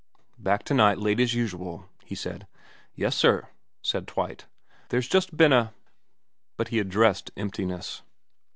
' Back to night late as usual,' he said. ' Yes sir,' said Twite. ' There's just been a ' But he addressed emptiness.